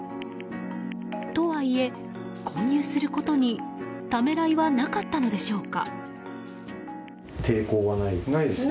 とはいえ、購入することにためらいはなかったのでしょうか。